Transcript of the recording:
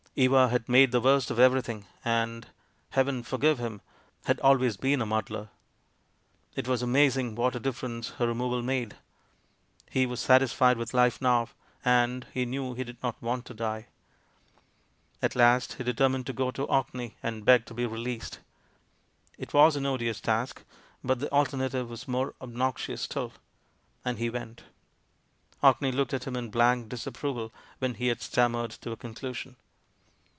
Eva had made the worst of everything, and — Heaven forgive him! — had al ways been a muddler. It was amazing what a difference her removal made. He was satisfied with life now, and — he knew he did not want to die. At last he determined to go to Orkney and beg to be released. It was an odious task, but the alternative was more obnoxious still; and he went. Orkney looked at him in blank disapproval when he had stammered to a conclusion.